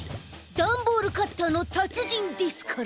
ダンボールカッターのたつじんですから。